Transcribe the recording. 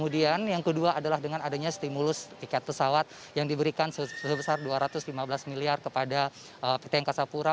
dan yang kedua adalah dengan adanya stimulus tiket pesawat yang diberikan sebesar dua ratus lima belas miliar kepada pt angkasapura